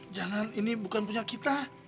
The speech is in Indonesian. jangan ini bukan punya kita